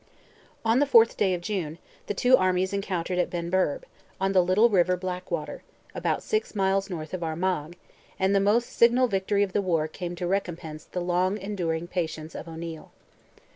On the 4th day of June, the two armies encountered at Benburb, on the little river Blackwater, about six miles north of Armagh, and the most signal victory of the war came to recompense the long enduring patience of O'Neil.